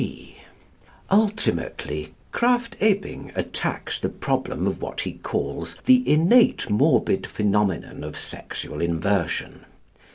(B) Ultimately, Krafft Ebing attacks the problem of what he calls "the innate morbid phenomenon" of sexual inversion.